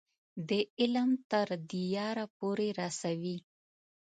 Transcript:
د علم تر دیاره پورې رسوي.